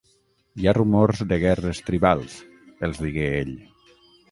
"Hi ha rumors de guerres tribals", els digué ell.